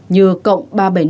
như cộng ba trăm bảy mươi năm